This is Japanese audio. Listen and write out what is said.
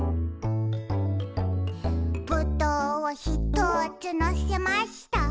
「ぶどうをひとつのせました」